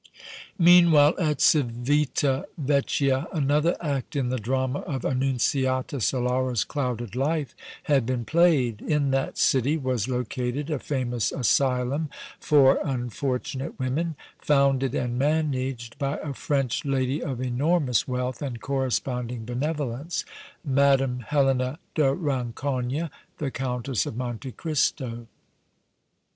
Meanwhile at Civita Vecchia another act in the drama of Annunziata Solara's clouded life had been played. In that city was located a famous asylum for unfortunate women, founded and managed by a French lady of enormous wealth and corresponding benevolence, Madame Helena de Rancogne, the Countess of Monte Cristo.